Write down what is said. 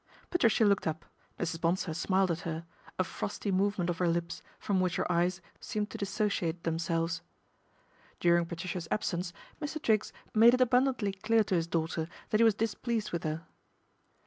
Patricia looked up, Mrs. Bonsor smiled at her, a frosty movement of her lips, from which her eyes seemed to dissociate themselves. THE DEFECTION OF MR. TRIGGS 147 During Patricia's absence Mr. Triggs made it abundantly clear to his daughter that he was dis pleased with her.